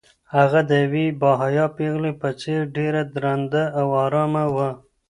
هغه د یوې باحیا پېغلې په څېر ډېره درنه او ارامه وه.